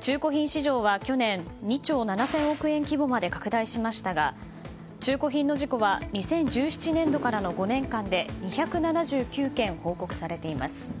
中古品市場は去年２兆７０００億円規模まで拡大しましたが、中古品の事故は２０１７年度からの５年間で２７９件、報告されています。